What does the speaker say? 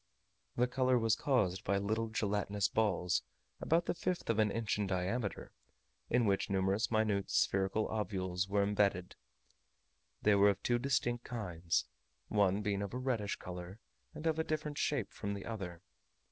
The colour was caused by little gelatinous balls, about the fifth of an inch in diameter, in which numerous minute spherical ovules were imbedded: they were of two distinct kinds, one being of a reddish colour and of a different shape from the other.